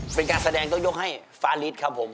เป็นการแสดงต้องยกให้ฟาลิสครับผม